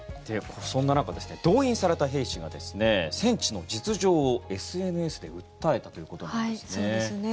そんな中動員された兵士が戦地の実情をＳＮＳで訴えたということなんですね。